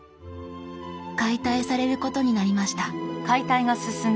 解体されることになりました。